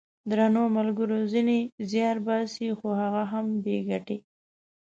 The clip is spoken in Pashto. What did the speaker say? درنو ملګرو ! ځینې زیار باسي خو هغه هم بې ګټې!